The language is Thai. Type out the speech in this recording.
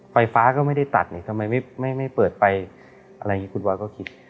ไฟฟ้าก็ไม่ได้ตัดเนี่ยทำไมไม่เปิดไฟอะไรอย่างนี้คุณบอยก็คิด